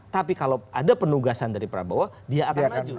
tapi kalau ada penugasan dari prabowo dia akan maju